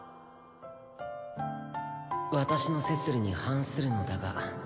私のセツリに反するのだが。